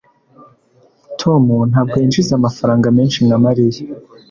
Tom ntabwo yinjiza amafaranga menshi nka Mariya